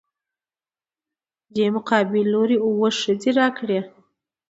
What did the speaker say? دې مقابل لورى اووه ښځې راکړي.